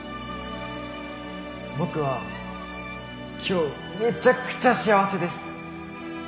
「僕は今日めちゃくちゃ幸せです！」